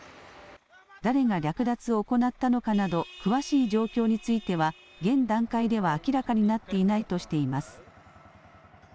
誰が略奪を行ったのかなど、詳しい状況については、現段階では明らかになっていないとしています。